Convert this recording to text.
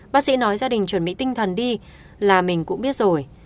bác sĩ nói gia đình chuẩn bị tinh thần đi là mình cũng biết rồi